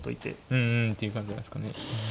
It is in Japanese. うんうんっていう感じなんですかね。